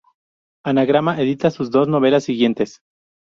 Anagrama edita sus dos novelas siguientes.